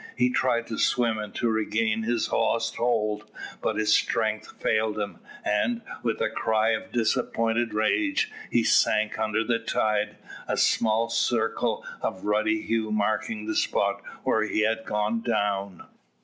He tried to swim and to regain his lost hold, but his strength failed him, and, with a cry of disappointed rage, he sank under the tide, a small circle of ruddy hue marking the spot where he had gone down.